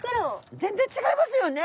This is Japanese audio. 全然ちがいますよね。